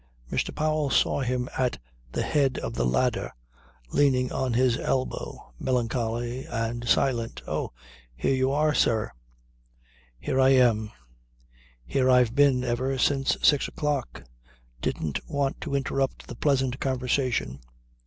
Mr. Powell saw him at the head of the ladder leaning on his elbow, melancholy and silent. "Oh! Here you are, sir." "Here I am. Here I've been ever since six o'clock. Didn't want to interrupt the pleasant conversation.